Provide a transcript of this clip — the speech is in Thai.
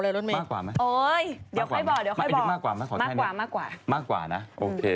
เหมือนกับผมช่างี้